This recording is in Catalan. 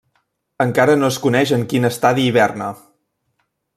Encara no es coneix en quin estadi hiberna.